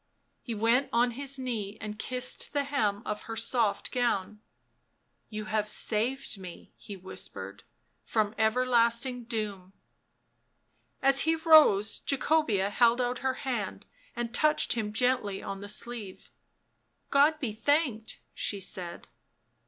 He went on his knee and kissed the hem of her soft gown. " You have saved me," he whispered, " from ever lasting doom." As he rose Jacobea held out her hand and touched him gently on the sleeve. " God be thanked," she said.